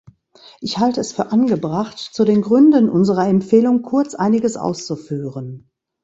Ich halte es für angebracht, zu den Gründen unserer Empfehlung kurz einiges auszuführen.